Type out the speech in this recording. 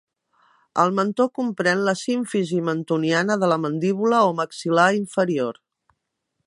El mentó comprèn la símfisi mentoniana de la mandíbula o maxil·lar inferior.